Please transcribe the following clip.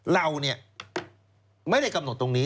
เราเนี่ยไม่ได้กำหนดตรงนี้